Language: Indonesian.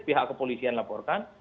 pihak kepolisian laporkan